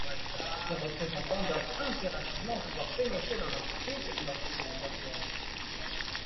Ces représentants doivent impérativement pouvoir pénétrer dans l’entreprise lorsque c’est nécessaire.